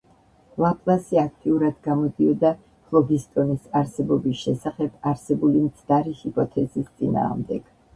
ლაპლასი აქტიურად გამოდიოდა ფლოგისტონის არსებობის შესახებ არსებული მცდარი ჰიპოთეზის წინააღმდეგ.